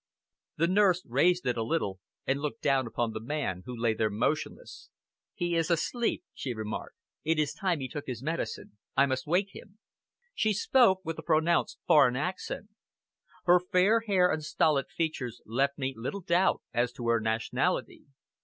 The nurse raised it a little, and looked down upon the man who lay there motionless. "He is asleep," she remarked. "It is time he took his medicine. I must wake him!" She spoke with a pronounced foreign accent. Her fair hair and stolid features left me little doubt as to her nationality.